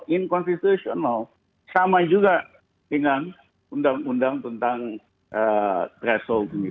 inkonstitusional sama juga dengan undang undang tentang threshold